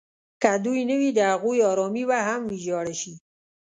که دوی نه وي د هغوی ارامي به هم ویجاړه شي.